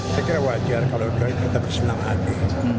saya kira wajar kalau kita bersenang hati